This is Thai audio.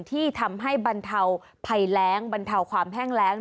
ที่ทำให้บรรเทาภัยแรงบรรเทาความแห้งแรง